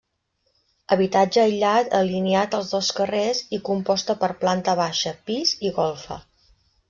Habitatge aïllat alineat als dos carrers i composta per planta baixa, pis i golfa.